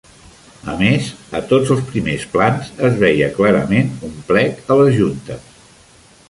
A més, a tots els primers plans es veia clarament un plec a les juntes.